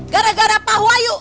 gara gara pak wahyu